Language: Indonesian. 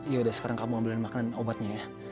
yaudah sekarang kamu ambilin makanan dan obatnya ya